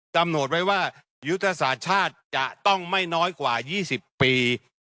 กำหนดไว้ว่ายุทธศาสตร์ชาติจะต้องไม่น้อยกว่า๒๐ปี